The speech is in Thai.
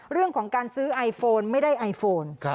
เรื่องของการซื้อไอโฟนไม่ได้ไอโฟน